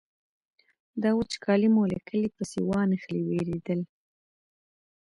دا وچکالي مو له کلي پسې وانخلي وېرېدل.